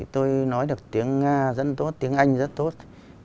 tôi nói được tiếng rất tốt tiếng anh rất tốt